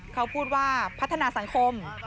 เขาพูดว่าพัฒนาสังคม